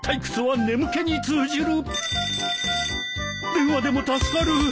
☎電話でも助かる。